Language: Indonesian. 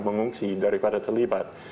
mengungsi daripada terlibat